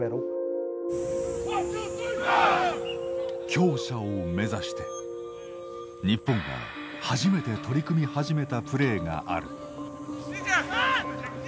強者を目指して日本が初めて取り組み始めたプレーがある。